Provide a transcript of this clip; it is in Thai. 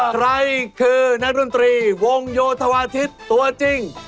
ใครคือนักดนตรีวงโยธวาทิศตัวจริง